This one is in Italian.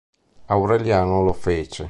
Aureliano lo fece.